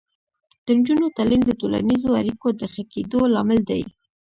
د نجونو تعلیم د ټولنیزو اړیکو د ښه کیدو لامل دی.